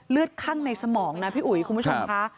คั่งในสมองนะพี่อุ๋ยคุณผู้ชมค่ะ